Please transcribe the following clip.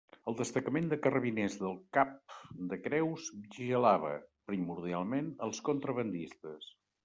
El destacament de carrabiners del Cap de Creus vigilava, primordialment, els contrabandistes.